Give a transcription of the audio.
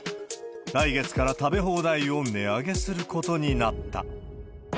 来月から食べ放題を値上げすることになった。